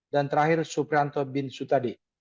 dan terakhir suprianto bin sutadi